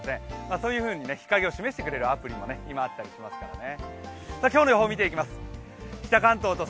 そういうふうに日陰を示してくれるアプリも今あったりしますからね。